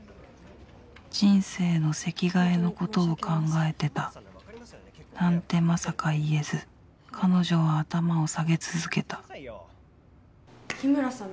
人生の席替えのことを考えてたなんてまさか言えず彼女は頭を下げ続けた日村さん